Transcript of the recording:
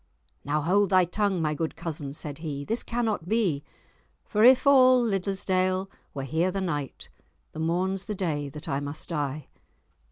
"Now hold thy tongue, my good cousin," said he. "This cannot be— 'For if all Liddesdale were here the night, The morn's the day that I must die.